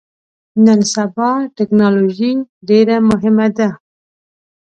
نن سبا ټکنالوژي ډیره مهمه ده